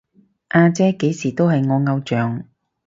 阿姐幾時都係我偶像